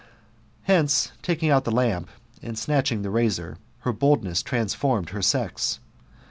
Hence, taking out the lamp, and snatching the razor, her boldness transformed her sex.